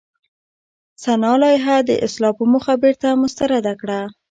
سنا لایحه د اصلاح په موخه بېرته مسترده کړه.